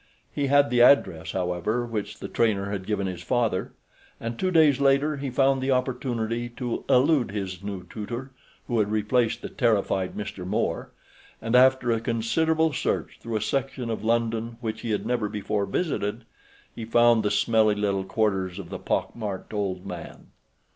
He had the address, however, which the trainer had given his father, and two days later he found the opportunity to elude his new tutor—who had replaced the terrified Mr. Moore—and after a considerable search through a section of London which he had never before visited, he found the smelly little quarters of the pock marked old man.